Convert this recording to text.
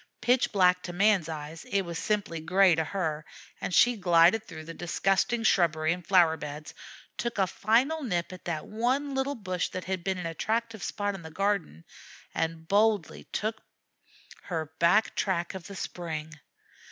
Pitch black to man's eyes, it was simply gray to her, and she glided through the disgusting shrubbery and flower beds, took a final nip at that one little bush that had been an attractive spot in the garden, and boldly took her back track of the spring.